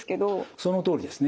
そのとおりですね。